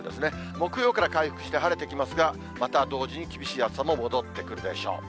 木曜から回復して晴れてきますが、また同時に厳しい暑さも戻ってくるでしょう。